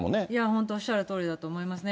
本当、おっしゃるとおりだと思いますね。